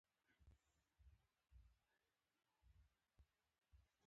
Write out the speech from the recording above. هغې ځواب راکړ چې هو زه په جرمني ژبه پوهېږم